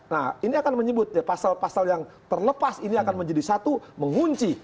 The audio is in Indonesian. nah ini akan menyebut pasal pasal yang terlepas ini akan menjadi satu mengunci